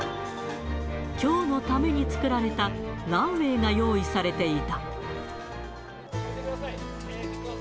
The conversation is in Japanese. きょうのために作られたランウエーが用意されていた。